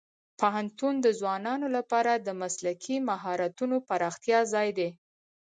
پوهنتون د ځوانانو لپاره د مسلکي مهارتونو پراختیا ځای دی.